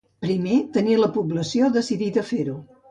Primer, tenir la població decidida a fer-ho.